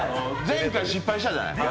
前回失敗したじゃない。